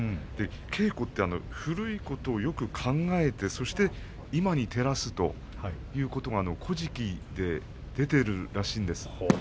稽古って古いことをよく考えてそして今に照らすということが「古事記」で出ているらしいです。